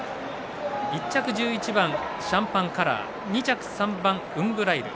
１着、１１番シャンパンカラー２着、３番ウンブライル。